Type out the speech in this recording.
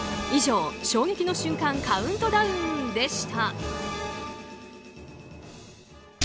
以上衝撃の瞬間カウントダウンでした。